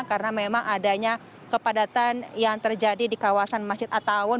karena memang adanya kepadatan yang terjadi di kawasan masjid attaun